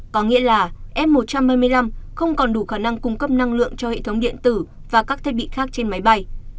có nghĩa là f một trăm hai mươi năm không còn đủ khả năng cung cấp năng lượng cho hệ thống điện tử và các thiết bị khác trên máy bay